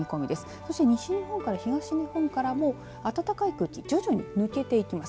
そして西日本から東日本からも暖かい空気徐々に抜けていきます。